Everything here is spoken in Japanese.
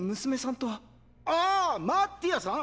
ああマッティアさん